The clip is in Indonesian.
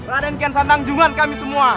raden kian santang junjungan kami semua